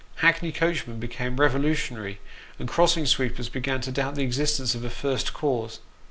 Hackney coachmen became revolutionary, and crossing sweepers began to doubt the existence of a First Cause.